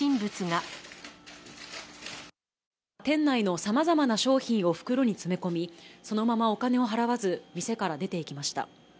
店内のさまざまな商品を袋に詰め込み、そのままお金を払わず、店から出ていきました。